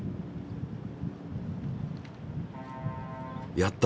やった！